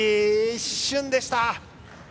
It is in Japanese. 一瞬でした！